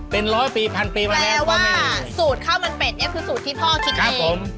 เป็นร้อยปีพันปีมาแล้วแปลว่าสูตรข้าวมันเป็ดเนี้ยคือสูตรที่พ่อคิดครับผม